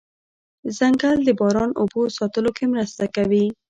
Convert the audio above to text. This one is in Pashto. ځنګل د باران اوبو ساتلو کې مرسته کوي